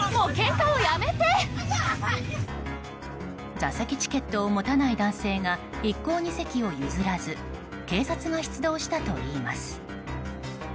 座席チケットを持たない男性が一向に席を譲らず警察が出動したといいます。